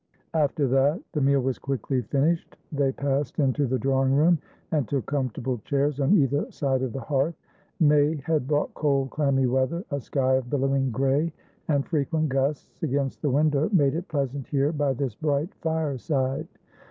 After that, the meal was quickly finished; they passed into the drawing room, and took comfortable chairs on either side of the hearth. May had brought cold, clammy weather; a sky of billowing grey and frequent gusts against the window made it pleasant here by this bright fireside.